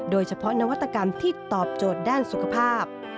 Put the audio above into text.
โดยเฉพาะนวัตกรรมที่ตอบโจทย์ด้านสุขภาพ